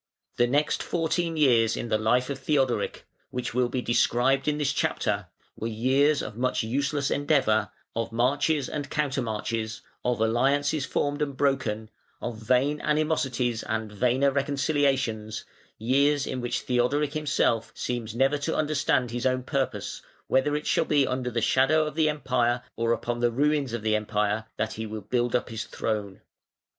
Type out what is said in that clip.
The next fourteen years in the life of Theodoric, which will be described in this chapter, were years of much useless endeavour, of marches and countermarches, of alliances formed and broken, of vain animosities and vainer reconciliations, years in which Theodoric himself seems never to understand his own purpose, whether it shall be under the shadow of the Empire or upon the ruins of the Empire, that he will build up his throne.